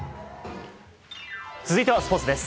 続いてはスポーツです。